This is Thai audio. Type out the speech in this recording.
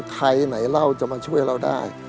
ใครไหนเราจะมาช่วยเราได้